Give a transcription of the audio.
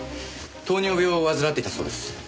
糖尿病を患っていたそうです。